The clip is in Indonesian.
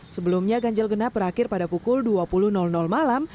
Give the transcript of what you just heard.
sebelumnya ganjil genap berakhir pada pukul dua puluh malam